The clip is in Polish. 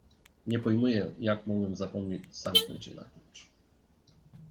"Nie pojmuję, jak mogłem zapomnieć zamknąć je na klucz."